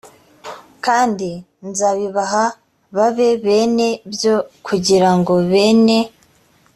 kandi nzabibaha babe bene byo kugira ngo bene